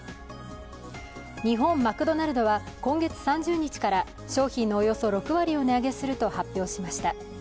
日本マクドナルドは今月３０日から商品のおよそ６割を値上げすると発表しました。